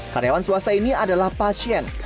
karyawan swasta ini adalah pasien